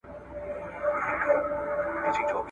تر دې ډنډه یو کشپ وو هم راغلی ,